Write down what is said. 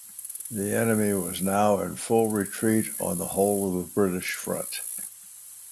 The enemy was now in full retreat on the whole of the British front.